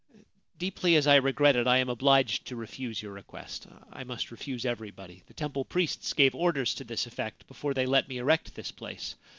' Deeply as I regret it, I am obliged to refuse your request. I must refuse everybody. The tempJe priests gave orders to this effect before they let me erect this place.